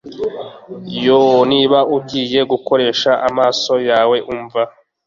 Yoo niba ugiye gukoresha amaso yawe umva